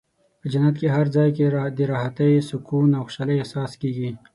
په جنت کې په هر ځای کې د راحتۍ، سکون او خوشحالۍ احساس کېږي.